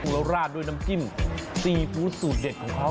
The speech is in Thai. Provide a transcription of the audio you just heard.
แล้วราดด้วยน้ำจิ้มซีฟู้ดสูตรเด็ดของเขา